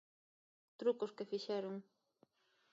Trucos que fixeron.